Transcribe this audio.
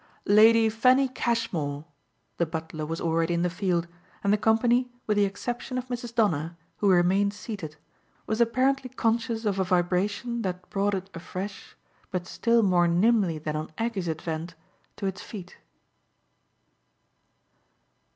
"Lady Fanny Cashmore!" the butler was already in the field, and the company, with the exception of Mrs. Donner, who remained seated, was apparently conscious of a vibration that brought it afresh, but still more nimbly than on Aggie's advent, to its feet.